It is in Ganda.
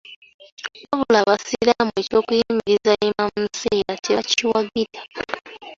Wabula Abasiraamu eky'okuyimiriza Imam Nseera tebakiwagira.